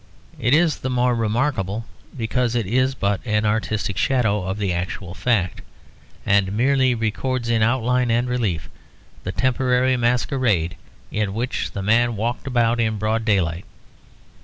It is the more remarkable because it is but an artistic shadow of the actual fact; and merely records in outline and relief the temporary masquerade in which the man walked about in broad daylight.